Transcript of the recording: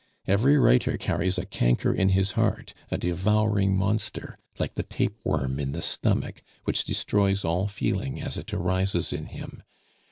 Every writer carries a canker in his heart, a devouring monster, like the tapeworm in the stomach, which destroys all feeling as it arises in him.